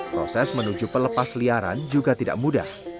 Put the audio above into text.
proses menuju pelepas liaran juga tidak mudah